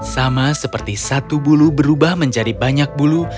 sama seperti satu bulu berubah menjadi banyak bulu